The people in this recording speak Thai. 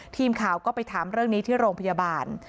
ทีมข่าวก็ไปถามเรื่องนี้ที่โรงพยาบาล